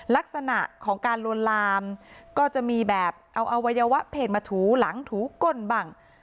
ลักษณะของการลวนลามก็จะมีแบบเอาอวัยวะเพศมาถูหลังถูก้นบ้าง